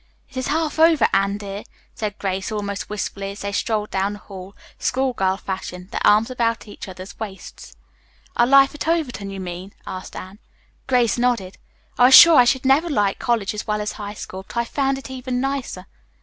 "It is half over, Anne, dear," said Grace, almost wistfully, as they strolled down the hall, school girl fashion, their arms about each other's waists. "Our life at Overton, you mean?" asked Anne. Grace nodded. "I was sure I should never like college as well as high school, but I've found it even nicer."